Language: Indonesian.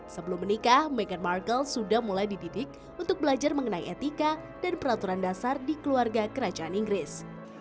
sebelum menikah meghan markle sudah mulai dididik untuk belajar mengenai etika dan peraturan dasar di keluarga kerajaan inggris